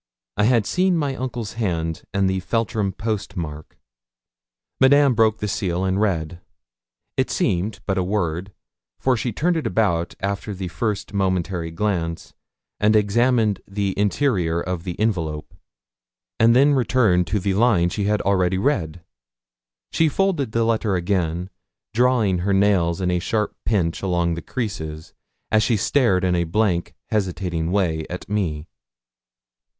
I had seen my uncle's hand, and the Feltram post mark. Madame broke the seal, and read. It seemed but a word, for she turned it about after the first momentary glance, and examined the interior of the envelope, and then returned to the line she had already read. She folded the letter again, drawing her nails in a sharp pinch along the creases, as she stared in a blank, hesitating way at me.